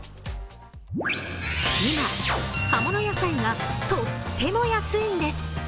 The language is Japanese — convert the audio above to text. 今、葉物野菜がとっても安いんです。